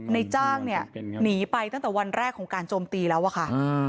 ในจ้างเนี่ยหนีไปตั้งแต่วันแรกของการโจมตีแล้วอะค่ะ